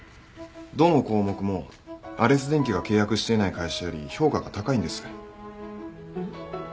どの項目もアレス電機が契約していない会社より評価が高いんです